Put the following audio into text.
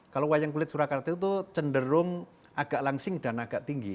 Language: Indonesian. kalau wayang kulit surakarta itu cenderung agak langsing dan agak tinggi